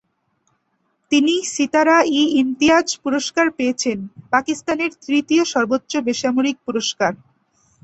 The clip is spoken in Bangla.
তিনি সিতারা-ই-ইমতিয়াজ পুরস্কার পেয়েছেন, পাকিস্তানের তৃতীয় সর্বোচ্চ বেসামরিক পুরস্কার।